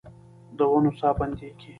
د ونو ساه بندیږې